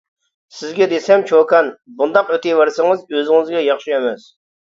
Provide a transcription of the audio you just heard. سىزگە دېسەم چوكان، بۇنداق ئۆتۈۋەرسىڭىز ئۆزىڭىزگە ياخشى ئەمەس.